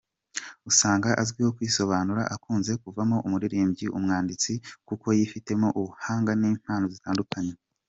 Usanga azi kwisobanura, akunze kuvamo umuririmbyi, umwanditsi kuko yifitemo ubuhanga n’impano zitandukanye.